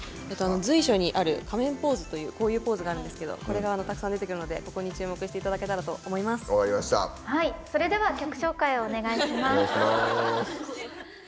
随所にある仮面ポーズというこういうポーズがあるんですけどたくさん出てくるのでここに注目していただけたらと曲紹介をお願いします。